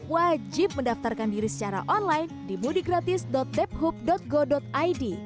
wajib mendaftarkan diri secara online di mudikgratis debhub go id